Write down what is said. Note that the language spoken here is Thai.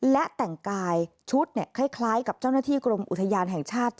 และแต่งกายชุดคล้ายกับเจ้าหน้าที่กรมอุทยานแห่งชาติ